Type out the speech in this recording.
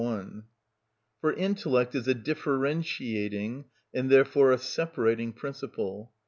For intellect is a differentiating, and therefore a separating principle.